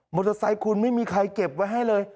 มอเตอร์ไซต์ของคุณไม่มีใครเก็บไว้เลย